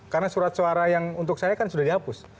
karena surat suara yang untuk saya kan sudah dihapus